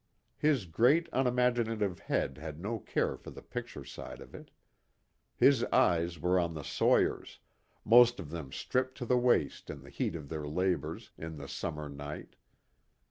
His great unimaginative head had no care for the picture side of it. His eyes were on the sawyers, most of them stripped to the waist in the heat of their labors in the summer night.